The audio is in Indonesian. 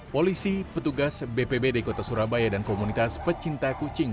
polisi petugas bpbd kota surabaya dan komunitas pecinta kucing